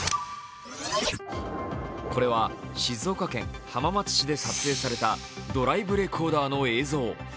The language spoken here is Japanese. これは静岡県浜松市で撮影されたドライブレコーダーの映像。